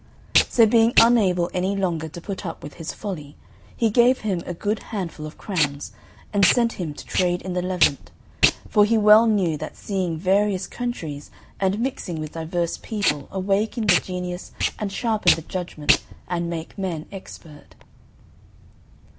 So being unable any longer to put up with his folly, he gave him a good handful of crowns, and sent him to trade in the Levant; for he well knew that seeing various countries and mixing with divers people awaken the genius and sharpen the judgment, and make men expert.